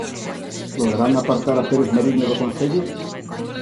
Lograrán apartar a Pérez Mariño do concello?